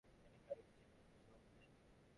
তিনি ক্যাডেট হিসেবে যোগ দেন।